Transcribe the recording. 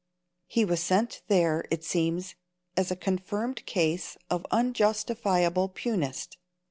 He was sent there, it seems, as a confirmed case of unjustifiable Punist.